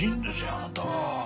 あなたは。